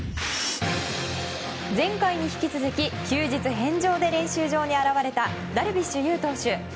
前回に引き続き休日返上で練習場に現れたダルビッシュ有投手。